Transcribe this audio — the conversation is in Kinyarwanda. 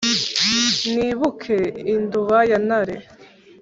nibuke induba ya ntare,